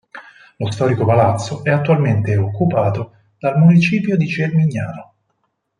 Lo storico palazzo è attualmente occupato dal Municipio di Cermignano.